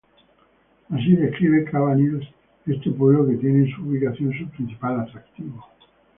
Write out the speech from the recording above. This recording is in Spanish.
Así describe Cavanilles este pueblo que tiene en su ubicación su principal atractivo.